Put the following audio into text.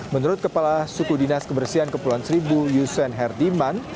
menurut kepala suku dinas kebersihan kepulauan seribu yusen herdiman